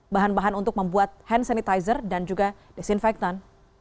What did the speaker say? bahan bahan untuk membuat hand sanitizer dan juga desinfektan